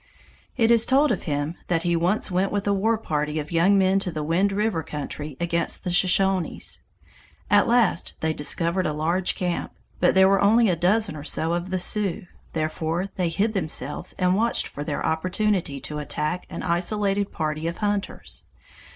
It is told of him that he once went with a war party of young men to the Wind River country against the Shoshones. At last they discovered a large camp, but there were only a dozen or so of the Sioux, therefore they hid themselves and watched for their opportunity to attack an isolated party of hunters.